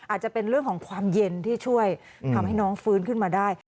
อาจจะเป็นเรื่องของความเย็นที่ช่วยทำให้น้องฟื้นขึ้นมาได้